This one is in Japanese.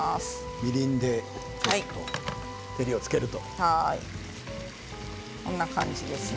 みりんでちょっと照りをつけると。